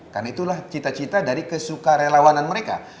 karena itulah cita cita dari kesuka relawanan mereka